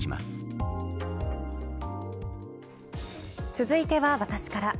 続いては私から。